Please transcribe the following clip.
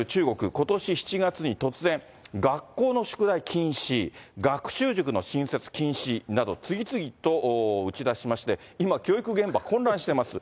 ことし７月に突然、学校の宿題禁止、学習塾の新設禁止など、次々と打ち出しまして、今、教育現場混乱しています。